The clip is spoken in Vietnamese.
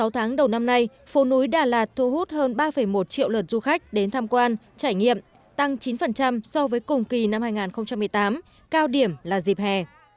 sáu tháng đầu năm nay phố núi đà lạt thu hút hơn ba một triệu lượt du khách đến tham quan trải nghiệm tăng chín so với cùng kỳ năm hai nghìn một mươi tám cao điểm là dịp hè